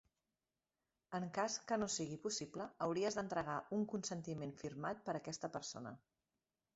En cas que no sigui possible hauries d'entregar un consentiment firmat per aquesta persona.